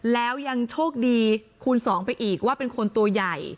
แล้วยังโชคดีคูณสองไปอีกว่าเป็นคนตัวใหญ่